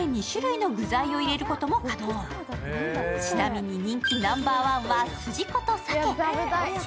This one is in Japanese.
ちなみに、人気ナンバーワンはすじことさけ。